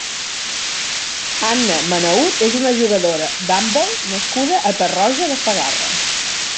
Anna Manaut és una jugadora d'handbol nascuda a Tarroja de Segarra.